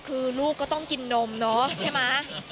คือลูกก็ต้องกินนมเนอะใช่ไหม